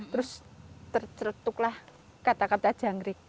terus tertutup lah kata kata jangkrik